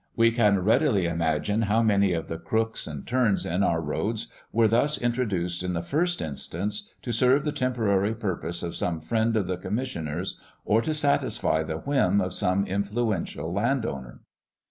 We can readily imagine how many of the crooks and turns in our roads were thus introduced in the first instance to serve the temporary purpose of some friend of the commissioners, or to satisfy the whim of some influential land owner.